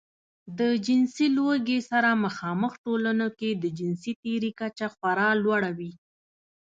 د جنسي لوږې سره مخامخ ټولنو کې د جنسي تېري کچه خورا لوړه وي.